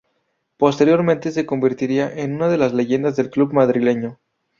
Posteriormente se convertiría en una de las leyendas del club madrileño.